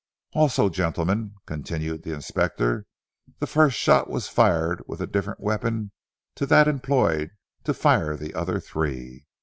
"Also gentlemen," continued the Inspector, "the first shot was fired with a different weapon to that employed to fire the other three.